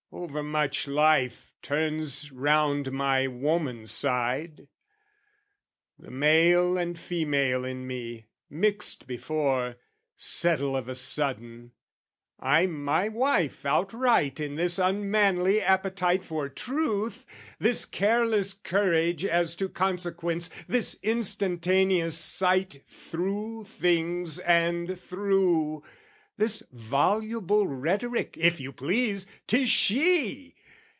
Overmuch life turns round my woman side; The male and female in me, mixed before, Settle of a sudden: I'm my wife outright In this unmanly appetite for truth, This careless courage as to consequence, This instantaneous sight through things and through, This voluble rhetoric, if you please, 'tis she!